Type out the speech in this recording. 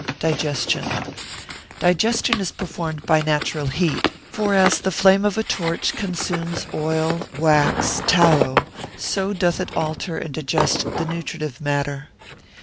Digestion.] Digestion is performed by natural heat; for as the flame of a torch consumes oil, wax, tallow, so doth it alter and digest the nutritive matter.